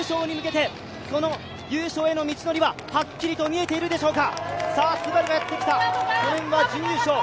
その優勝への道のりははっきりと見えているでしょうか。